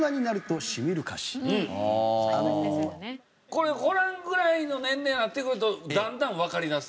これホランぐらいの年齢になってくるとだんだんわかりだす？